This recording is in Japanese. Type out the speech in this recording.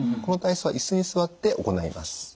この体操はイスに座って行います。